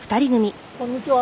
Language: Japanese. こんにちは。